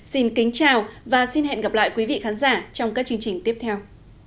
xin kính chào và xin hẹn gặp lại quý vị khán giả trong các chương trình tiếp theo